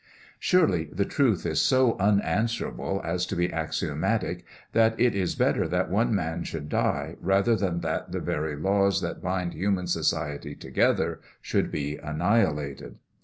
Surely the truth is so unanswerable as to be axiomatic, that it is better that one man should die rather than that the very laws that bind human society together should be annihilated.